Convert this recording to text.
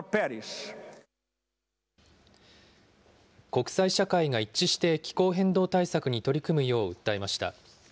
国際社会が一致して気候変動対策に取り組むよう訴えました。